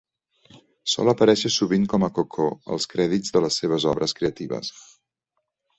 Sol aparèixer sovint com a Coco als crèdits de les seves obres creatives.